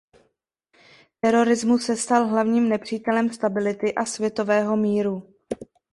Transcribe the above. Terorismus se stal hlavním nepřítelem stability a světového míru.